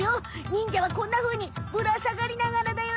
忍者はこんなふうにぶらさがりながらだよね。